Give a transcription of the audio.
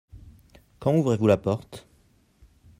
Quand ouvrez-vous la porte ?